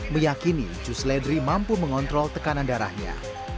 meyakini jus seledri mampu mengontrol tekanan darahnya